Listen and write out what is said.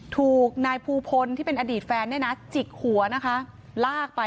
ถูกนายภูพลที่เป็นอดีตแฟนเนี่ยนะจิกหัวนะคะลากไป